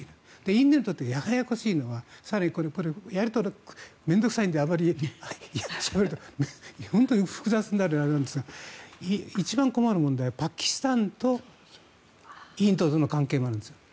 インドにとってややこしいのは面倒臭いのであまりしゃべると本当に複雑なのであれですが一番困る問題はパキスタンとインドとの関係もあるんです。